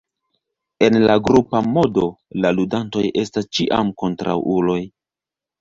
En la grupa modo, la ludantoj estas ĉiam kontraŭuloj.